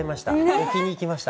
置きに行きました。